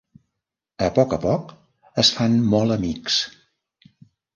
A poc a poc, es fan molt amics.